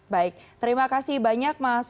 baik terima kasih banyak mas